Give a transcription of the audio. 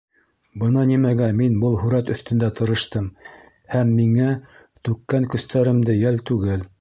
Бына нимәгә мин был һүрәт өҫтөндә тырыштым, һәм миңә түккән көстәремде йәл түгел.